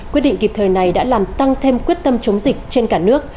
quyết định kịp thời này đã làm tăng thêm quyết tâm chống dịch trên cả nước